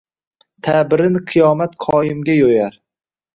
Ta’birin qiyomat qoyimga yo’yar: